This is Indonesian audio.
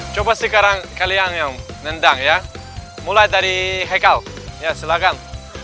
coba sekarang kalian yang nendang ya mulai dari hekau ya silakan